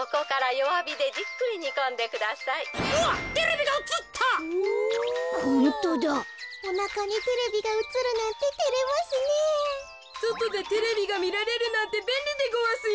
そとでテレビがみられるなんてべんりでごわすよ。